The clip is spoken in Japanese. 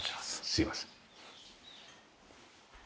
すいません。